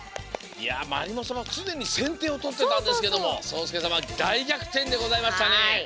まりもさまつねにせんてをとってたんですけどもそうすけさまだいぎゃくてんでございましたね。